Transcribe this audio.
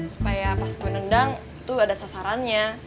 supaya pas gue nendang itu ada sasarannya